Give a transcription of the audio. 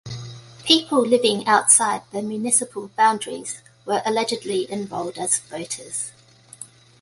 People living outside the municipal boundaries were allegedly enrolled as voters.